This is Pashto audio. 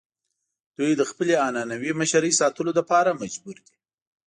دوی د خپلې عنعنوي مشرۍ ساتلو لپاره مجبور دي.